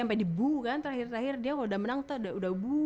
sampai dibu kan terakhir terakhir dia kalo udah menang tuh udah bu